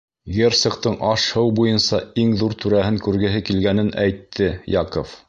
Герцогтың аш-һыу буйынса иң ҙур түрәһен күргеһе килгәнен әйтте Яков.